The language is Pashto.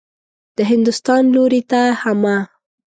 د هندوستان لوري ته حمه.